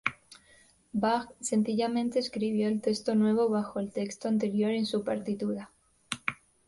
Bach sencillamente escribió el texto nuevo bajo el texto anterior en su partitura.